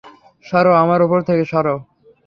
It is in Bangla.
সরো আমার ওপর থেকে, সরো!